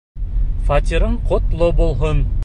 Фатирың ҡотло булһын!